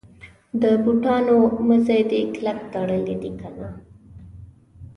د بوټانو مزي دي کلک تړلي دي کنه.